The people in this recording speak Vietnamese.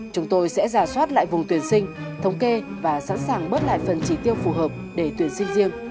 chúng tôi sẽ giả soát lại vùng tuyển sinh thống kê và sẵn sàng bước lại phần chỉ tiêu phù hợp để tuyển sinh riêng